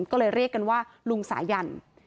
ก็เลยเรียกกันว่าลุงสายัน